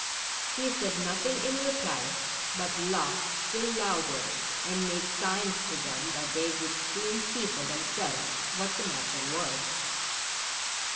He said nothing in reply, but laughed still louder, and made signs to them that they would soon see for them selves what the matter was.